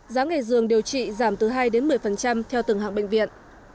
giá ngày dường điều trị giảm từ hai đến một mươi theo từng hạng bệnh viện